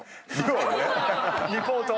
リポート。